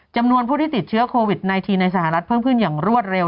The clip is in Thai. จำนวนผู้ที่ติดเชื้อโควิด๑๙ในสหรัฐเพิ่มขึ้นอย่างรวดเร็ว